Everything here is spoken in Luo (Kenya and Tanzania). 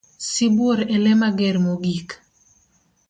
Sibuor e lee mager mogik.